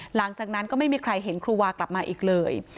หลังจากนั้นก็ไม่มีใครเห็นครูวากลับมาอีกเลย